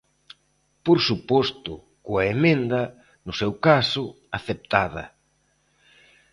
Por suposto, coa emenda, no seu caso, aceptada.